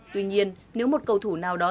tuy nhiên nếu một cầu thủ nào đó